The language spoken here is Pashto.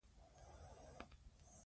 موږ باید لویه پانګه ولرو.